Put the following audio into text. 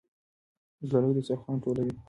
ګلالۍ دسترخوان ټولوي.